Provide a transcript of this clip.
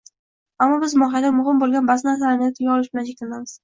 ammo biz mohiyatan muhim bo‘lgan ba’zi narsalarnigina tilga olish bilan cheklanamiz.